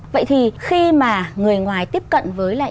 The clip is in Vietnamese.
vậy thì khi mà người ngoài tiếp cận với lại